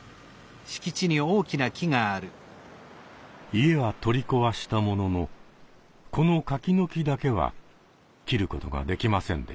家は取り壊したもののこの柿の木だけは切ることができませんでした。